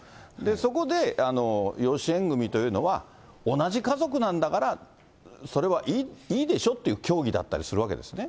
そこで養子縁組というのは、同じ家族なんだから、それはいいでしょっていう教義だったりするわけですね。